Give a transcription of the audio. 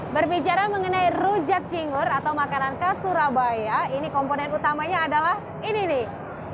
berbicara mengenai rujak cingur atau makanan khas surabaya ini komponen utamanya adalah ini nih